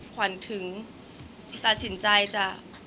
ขวัญถึงตัดสินใจจะ